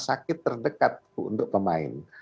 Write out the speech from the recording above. sakit terdekat untuk pemain